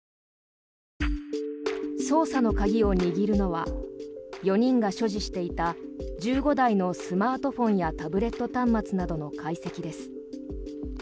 捜査の鍵を握るのは４人が所持していた１５台のスマートフォンやタブレット端末などの解析です。